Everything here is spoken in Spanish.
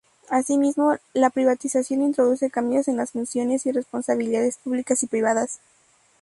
Así mismo la privatización introduce cambios en las funciones y responsabilidades públicas y privadas.